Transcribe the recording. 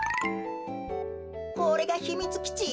これがひみつきち？